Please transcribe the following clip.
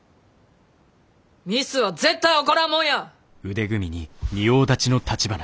ミスは絶対起こらんもんや！